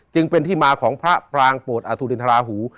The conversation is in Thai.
จึงเป็นที่มาของพระปรางโปรดอสุรินทราหู